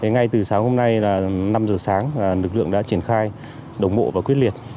ngay từ sáng hôm nay năm giờ sáng lực lượng đã triển khai đồng bộ và quyết liệt